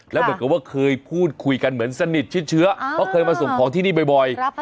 แล้วเหมือนกับว่าเคยพูดคุยกันเหมือนสนิทชิดเชื้อเพราะเคยมาส่งของที่นี่บ่อย